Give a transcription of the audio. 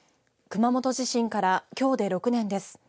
熊本地震からきょうで６年です。